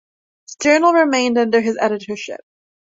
The journal remained under his editorship.